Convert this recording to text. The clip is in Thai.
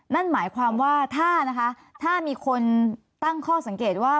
นั่นหมายความว่าถ้านะคะถ้ามีคนตั้งข้อสังเกตว่า